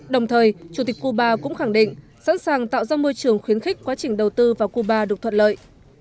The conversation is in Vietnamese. đồng thời chủ tịch cuba cũng khẳng định sẵn sàng tạo ra môi trường khuyến khích quá trình đầu tư vào cuba được thuận lợi